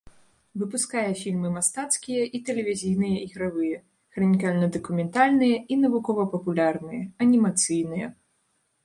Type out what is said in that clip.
Выпускае фільмы мастацкія і тэлевізійныя ігравыя, хранікальна-дакументальныя і навукова-папулярныя, анімацыйныя.